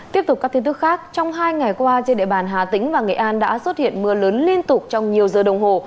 tiếp tục các tin tức khác trong hai ngày qua trên địa bàn hà tĩnh và nghệ an đã xuất hiện mưa lớn liên tục trong nhiều giờ đồng hồ